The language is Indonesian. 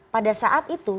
pada saat itu